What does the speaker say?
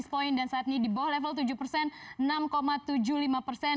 dua puluh lima basis point dan saat ini di bawah level tujuh persen enam tujuh puluh lima persen